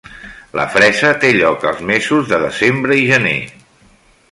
La fresa té lloc als mesos de desembre i gener.